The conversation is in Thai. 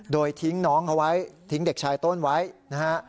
โดยทิ้งน้องเขาไว้ทิ้งเด็กชายต้นไว้นะฮะ